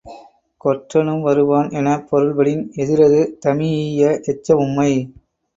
கொற்றனும் வருவான் எனப் பொருள்படின் எதிரது தமீஇய எச்ச உம்மை.